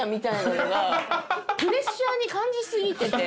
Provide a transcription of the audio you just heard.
プレッシャーに感じ過ぎてて。